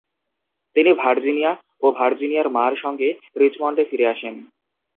তিনি ভার্জিনিয়া ও ভার্জিনিয়ার মার সঙ্গে রিচমন্ডে ফিরে আসেন।